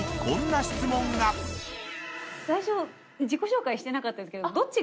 最初自己紹介してなかったんですけど。